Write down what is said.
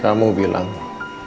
kamu gak cinta sama andi